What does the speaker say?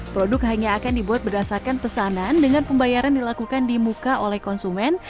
produk hanya akan dibuat berdasarkan pesanan dengan pembayaran dilakukan di muka oleh konsumen